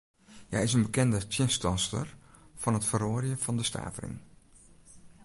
Hja is in bekende tsjinstanster fan it feroarjen fan de stavering.